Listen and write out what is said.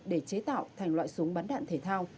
để chế tạo thành loại súng bắn đạn thể thao